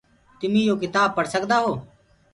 تمي يو ڪتآب پڙه سڪدآ هي۔